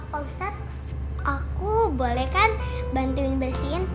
pak ustadz aku boleh kan bantuin bersihin